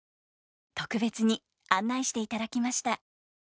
特別に案内していただきました。